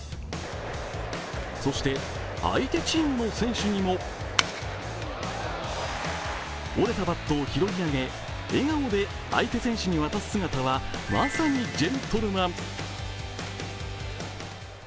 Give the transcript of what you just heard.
そして、相手チームの選手にも折れたバットを拾い上げ、笑顔で相手選手に渡す姿はまさにジェントルマン。